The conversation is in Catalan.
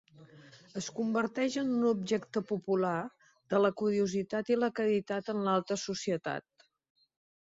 Es converteix en un objecte popular de la curiositat i la caritat en l'alta societat.